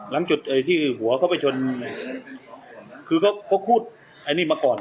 หลังหลังจุดหลังจุดไอ้ที่หัวเค้าไปชนคือเค้าเค้าพูดไอ้นี่มาก่อน